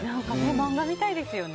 漫画みたいですよね。